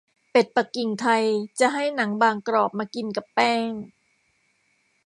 เป็ดปักกิ่งไทยจะให้หนังบางกรอบมากินกับแป้ง